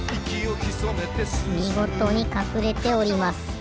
みごとにかくれております。